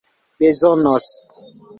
bezonos